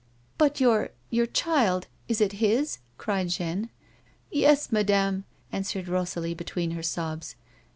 " But your — your child 1 Is it his ?" cried Jeanne. "Yes, madame," answered Rosalie, between her sobs.